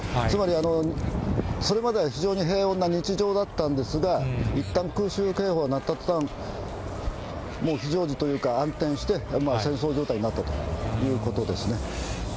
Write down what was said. つまりそれまでは非常に平穏な日常だったんですが、いったん空襲警報が鳴ったとたん、もう非常時というか、暗転して、戦争状態になったということですね。